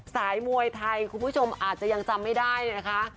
มวยไทยคุณผู้ชมอาจจะยังจำไม่ได้นะคะ